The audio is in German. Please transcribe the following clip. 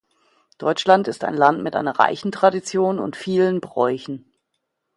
Deutschland ist ein Land mit einer reichen Tradition und vielen Bräuchen.